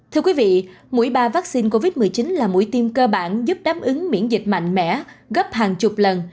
thưa quý vị mũi ba vaccine covid một mươi chín là mũi tiêm cơ bản giúp đáp ứng miễn dịch mạnh mẽ gấp hàng chục lần